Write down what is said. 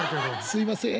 「すいません。